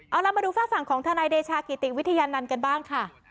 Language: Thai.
เอาล่ะมาดูฝากฝั่งของทนายเดชากิติวิทยานันต์กันบ้างค่ะ